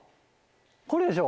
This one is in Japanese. これでしょ？